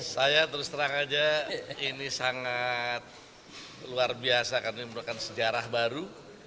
saya terus terang aja ini sangat luar biasa karena ini merupakan sejarah baru